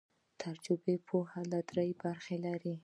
تجربوي پوهه درې برخې لري.